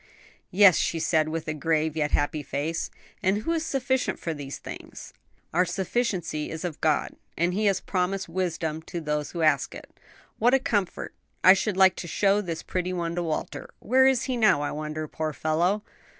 "Yes," she said, with grave yet happy face; "and who is sufficient for these things?" "Our sufficiency is of God!" "And He has promised wisdom to those who ask it. What a comfort. I should like to show this pretty one to Walter. Where is he now, I wonder, poor fellow?"